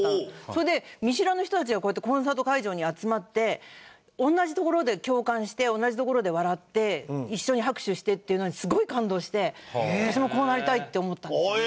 それで見知らぬ人たちがこうやってコンサート会場に集まって同じところで共感して同じところで笑って一緒に拍手してっていうのにすごい感動して。って思ったんですよね。